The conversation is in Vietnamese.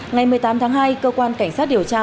ngày một mươi tám tháng hai cơ quan cảnh sát điều tra